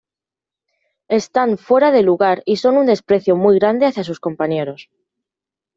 Están fuera de lugar y son un desprecio muy grande hacia sus compañeros.